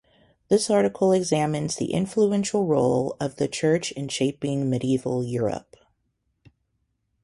This article examines the influential role of the Church in shaping medieval Europe.